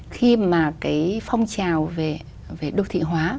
khi mà cái phong trào về đô thị hóa